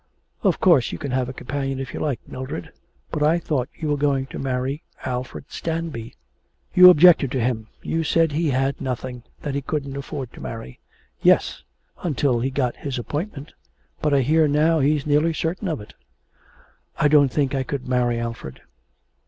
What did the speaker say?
'Of course you can have a companion if you like, Mildred; but I thought you were going to marry Alfred Stanby?' 'You objected to him; you said he had nothing that he couldn't afford to marry.' 'Yes, until he got his appointment; but I hear now that he's nearly certain of it.' 'I don't think I could marry Alfred.'